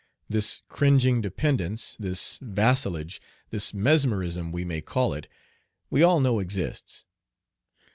This cringing dependence, this vassalage, this mesmerism we may call it, we all know exists.